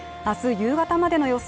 夕方までの予想